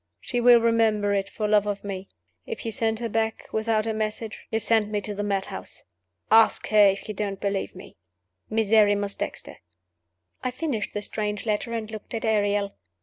She will remember it, for love of me. If you send her back without a message, you send me to the mad house. Ask her, if you don't believe me. "MISERRIMUS DEXTER." I finished the strange letter, and looked at Ariel.